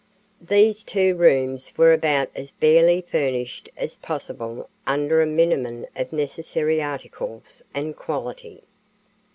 These two rooms were about as barely furnished as possible under a minimum of necessary articles and quality.